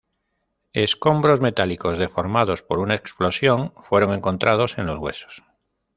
Escombros metálicos deformados por una explosión fueron encontrados en los huesos.